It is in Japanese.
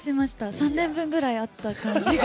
３年分ぐらいあった感じが。